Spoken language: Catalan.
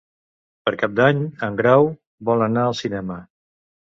Per Cap d'Any en Grau vol anar al cinema.